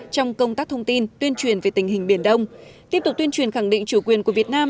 trong công tác thông tin tuyên truyền về tình hình biển đông tiếp tục tuyên truyền khẳng định chủ quyền của việt nam